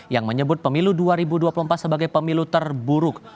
yang menyebut pemilu dua ribu dua puluh empat sebagai pemilu terburuk